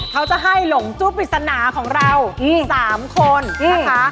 เขาจะให้หลงจุปริศนาของเรา๓คนนะคะ